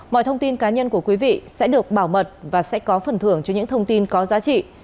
mọi thông tin cá nhân của quý vị sẽ được bảo mật và sẽ có phần thưởng cho những thông tin có giá trị